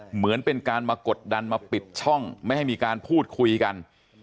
เหมือนเป็นการมากดดันมาปิดช่องไม่ให้มีการพูดคุยกัน